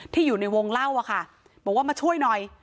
อยู่ในวงเล่าอะค่ะบอกว่ามาช่วยหน่อย